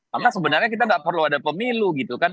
karena sebenarnya kita gak perlu ada pemilu gitu kan